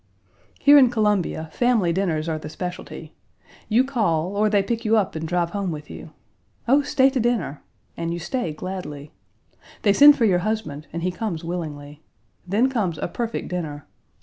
Here in Columbia, family dinners are the specialty. You call, or they pick you up and drive home with you. "Oh, stay to dinner!" and you stay gladly. They send for your husband, and he comes willingly. Then comes a perfect dinner.